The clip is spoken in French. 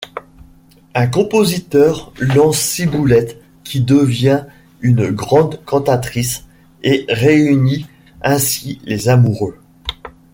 Un compositeur lance Ciboulette qui devient une grande cantatrice et réunit ainsi les amoureux.